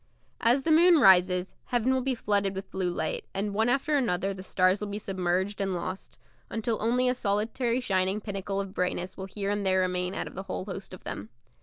As the moon rises, heaven will be flooded with blue light, and one after another the stars will be submerged and lost, until only a solitary shining pinnacle of brightness will here and there remain out of the whole host of them.